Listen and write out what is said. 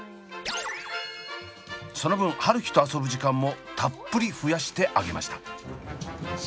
その分春輝と遊ぶ時間もたっぷり増やしてあげました。